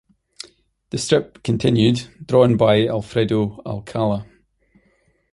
The strip continued, drawn by Alfredo Alcala.